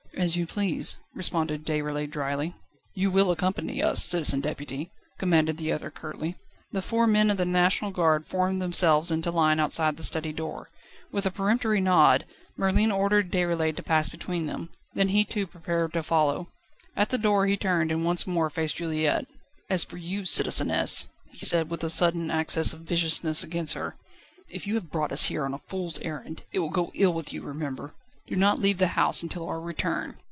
"As you please," responded Déroulède drily. "You will accompany us, Citizen Deputy," commanded the other curtly. The four men of the National Guard formed themselves into line outside the study door; with a peremptory nod, Merlin ordered Déroulède to pass between them, then he too prepared to follow. At the door he turned, and once more faced Juliette. "As for you, citizeness," he said, with a sudden access of viciousness against her, "if you have brought us here on a fool's errand, it will go ill with you, remember. Do not leave the house until our return.